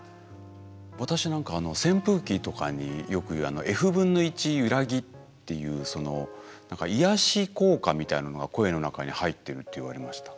私何か扇風機とかによく言うｆ分の１ゆらぎっていう何か癒やし効果みたいなのが声の中に入ってるって言われました。